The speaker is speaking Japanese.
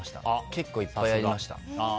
結構いっぱいやりました。